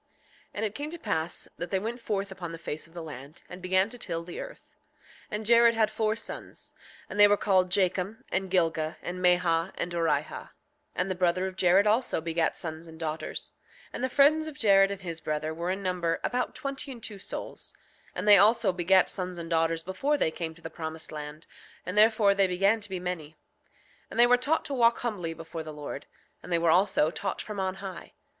6:13 And it came to pass that they went forth upon the face of the land, and began to till the earth. 6:14 And Jared had four sons; and they were called Jacom, and Gilgah, and Mahah, and Orihah. 6:15 And the brother of Jared also begat sons and daughters. 6:16 And the friends of Jared and his brother were in number about twenty and two souls; and they also begat sons and daughters before they came to the promised land; and therefore they began to be many. 6:17 And they were taught to walk humbly before the Lord; and they were also taught from on high.